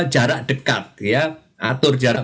jarak dekat atur jarak